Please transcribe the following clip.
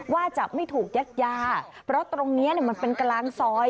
ว่าจะไม่ถูกยัดยาเพราะตรงนี้มันเป็นกลางซอย